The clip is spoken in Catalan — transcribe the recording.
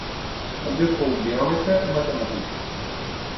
També fou geòmetra i matemàtic.